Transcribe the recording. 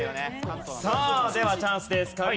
さあではチャンスです。